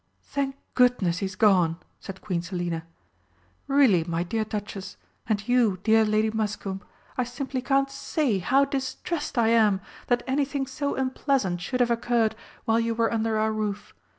"Thank goodness he's gone!" said Queen Selina. "Really, my dear Duchess, and you, dear Lady Muscombe, I simply can't say how distressed I am that anything so unpleasant should have occurred while you were under our roof.